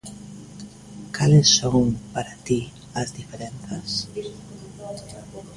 Cales son, para ti, as diferenzas?